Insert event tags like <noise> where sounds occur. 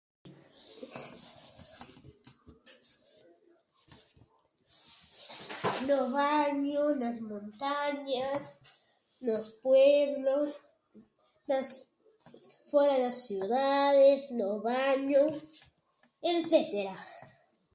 <noise> No baño, nas montañas, nos pueblos, nas, fóra das ciudades, no baño etcétera.